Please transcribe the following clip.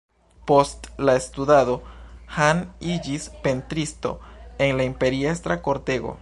Post la studado, Han iĝis pentristo en la imperiestra kortego.